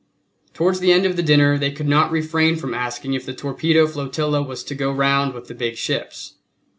Towards the end of the dinner they could not refrain from asking if the torpedo flotilla was to go round with the big ships.